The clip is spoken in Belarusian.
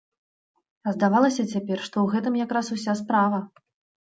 А здавалася цяпер, што ў гэтым якраз уся справа.